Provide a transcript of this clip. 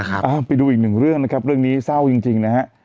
ไปดูอีกหนึ่งเรื่องนะครับเรื่องนี้เศร้าจริงนะฮะ